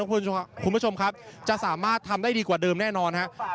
คุณผู้ชมครับจะสามารถทำได้ดีกว่าเดิมแน่นอนครับ